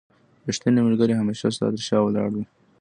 رښتينی ملګري هميشه ستا تر شا ولاړ وي.